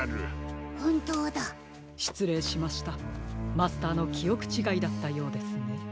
マスターのきおくちがいだったようですね。